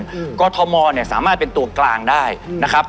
เพราะทอมมอล์สามารถเป็นตัวกลางได้นะครับ